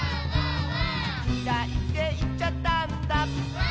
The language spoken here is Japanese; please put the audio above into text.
「きらいっていっちゃったんだ」